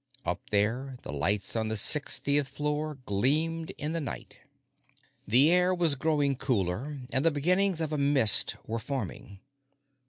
Up there, the lights on the sixtieth floor gleamed in the night. The air was growing cooler, and the beginnings of a mist were forming.